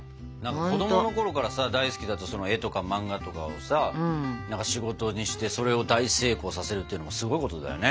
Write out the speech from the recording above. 子供のころから大好きだった絵とか漫画とかをさ仕事にしてそれを大成功させるっていうのはすごいことだよね。